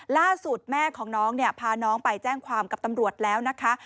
ล่าสุดแม่ของน้องเนี่ยพาน้องไปแจ้งความกับตำรวจแล้วนะคะ